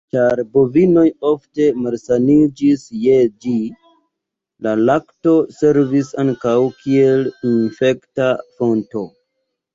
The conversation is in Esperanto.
Ĉar bovinoj ofte malsaniĝis je ĝi, la lakto servis ankaŭ kiel infekta fonto.